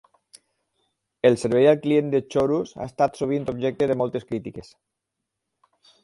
El servei al client de Chorus ha estat sovint objecte de moltes crítiques.